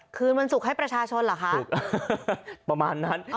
คืนวันศุกร์ให้ประชาชนเหรอคะประมาณนั้น